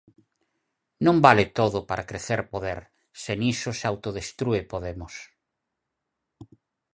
Non vale todo para crecer poder, se niso se autodestrúe Podemos.